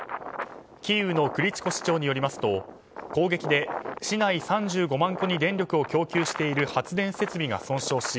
キーウのクリチコ市長によりますと攻撃で、市内３５万戸に電力を供給している発電設備が損傷し